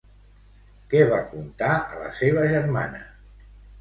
Què va contar a la seva germana?